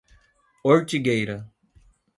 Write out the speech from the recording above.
Ortigueira